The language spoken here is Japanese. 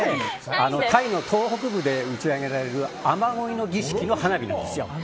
タイの東北部で打ち上げられる雨乞いの儀式の花火なんですよ。